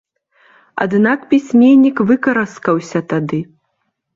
Аднак пісьменнік выкараскаўся тады.